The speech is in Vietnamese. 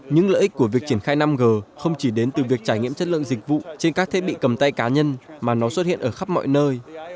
những lợi ích của việc triển khai năm g không chỉ đến từ việc trải nghiệm chất lượng dịch vụ trên các thiết bị cầm tay cá nhân mà nó xuất hiện ở khắp mọi nơi